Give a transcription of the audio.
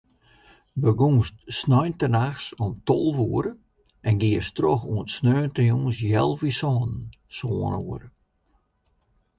Begûnst sneintenachts om tolve oere en giest troch oant sneontejûns healwei sânen, sân oere.